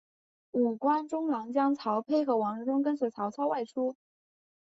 五官中郎将曹丕和王忠跟随曹操外出。